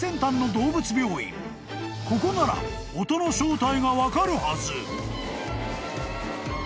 ［ここなら音の正体が分かるはず］